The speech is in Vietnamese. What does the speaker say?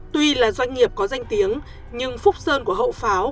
tuy là doanh nghiệp có danh tiếng nhưng phúc sơn của hậu pháo